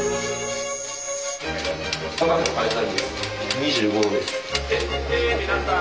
２５度です。